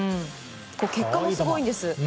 結果もすごいんです。